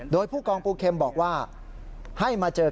โดยผู้กองปูเข็มบอกว่า